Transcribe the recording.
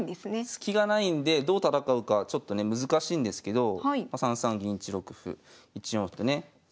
スキがないんでどう戦うかちょっとね難しいんですけど３三銀１六歩１四歩とね。